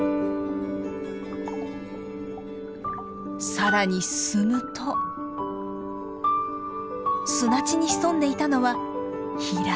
さらに進むと砂地に潜んでいたのはヒラメ。